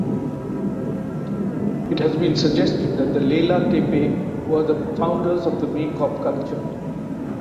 It has been suggested that the Leyla-Tepe were the founders of the Maykop culture.